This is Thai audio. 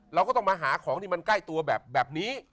เราก็ต้องมาหาของที่มันใกล้ตัวแบบนี้